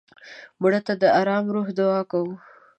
مړه ته د ارام روح دعا کوو